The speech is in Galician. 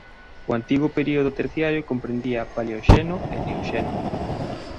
O antigo período terciario comprendía Paleoxeno e Neoxeno.